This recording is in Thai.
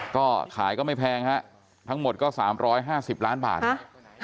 ก็ขายก็ไม่แพงฮะทั้งหมดก็สามร้อยห้าสิบล้านบาทฮะ